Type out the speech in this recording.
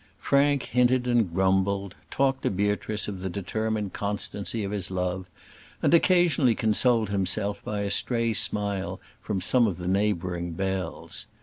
Frank hinted and grumbled; talked to Beatrice of the determined constancy of his love, and occasionally consoled himself by a stray smile from some of the neighbouring belles.